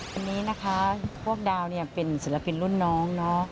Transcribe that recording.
วันนี้พวกดาวเป็นศิลปินรุ่นน้อง